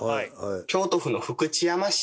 京都府の福知山市。